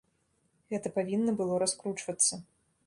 Гэта павінна было раскручвацца.